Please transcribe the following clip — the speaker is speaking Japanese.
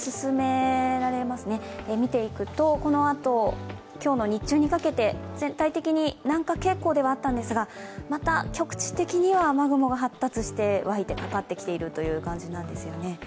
見ていくと、このあと今日の日中にかけて全体的に南下傾向ではあったんですが、また局地的には雨雲が発達して、湧いてかかってきているという感じなんですよね。